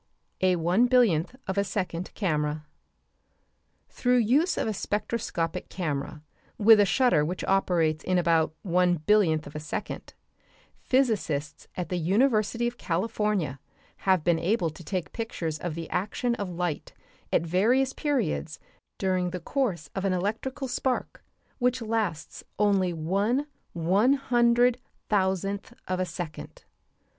A ONE BILLIONTH OF A SECOND CAMERA Through use of a spectroscopic camera with a shutter which operates in about one billionth of a second, physicists at the University of California have been able to take pictures of the action of light at various periods during the course of an electrical spark which lasts only one one hundred thousandth of a second.